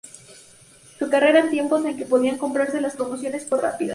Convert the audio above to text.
Su carrera, en tiempos en que podían comprarse las promociones, fue rápida.